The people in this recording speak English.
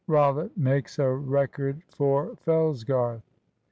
ROLLITT MAKES A RECORD FOR FELLSGARTH.